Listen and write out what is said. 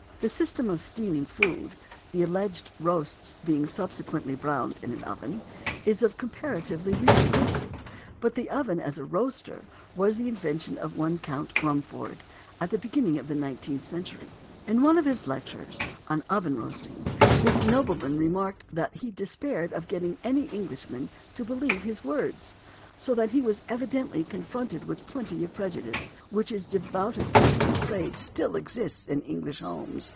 The system of steaming food (the alleged "roasts" being subsequently browned in an oven) is of comparatively recent date; but the oven as a roaster was the invention of one Count Rumford, at the beginning of the nineteenth century. In one of his lectures on oven roasting, this nobleman remarked that he despaired of getting any Englishman to believe his words; so that he was evidently confronted with plenty of prejudice, which it is devoutly to be prayed still exists in English homes.